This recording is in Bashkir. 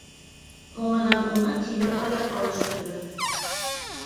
Һуңынан уны тимер аяҡ алыштырҙы.